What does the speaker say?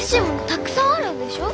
たくさんあるんでしょ？